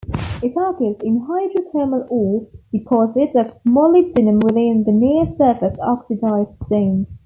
It occurs in hydrothermal ore deposits of molybdenum within the near surface oxidized zones.